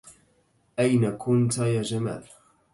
أين كنت يا جمال؟